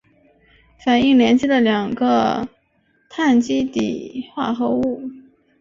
反应连接了两个羰基底物化合物。